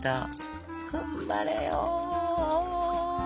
頑張れよ！